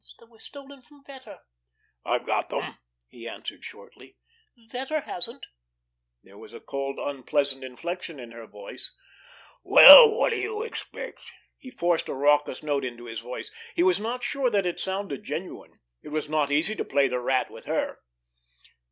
"What about the diamonds that were stolen from Vetter?" "I've got them," he answered shortly. "Vetter hasn't!" There was a cold, unpleasant inflection in her voice. "Well, what do you expect!" He forced a raucous note into his voice. He was not sure that it sounded genuine. It was not easy to play the Rat with her!